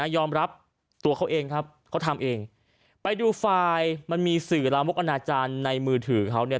ยอมรับตัวเขาเองครับเขาทำเองไปดูไฟล์มันมีสื่อลามกอนาจารย์ในมือถือเขาเนี่ย